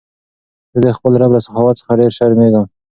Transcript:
زه د خپل رب له سخاوت څخه ډېر شرمېږم.